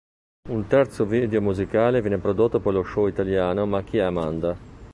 Un terzo video musicale viene prodotto per lo show italiano "Ma chi è Amanda?.